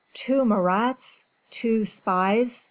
"Two Marats! Two spies!"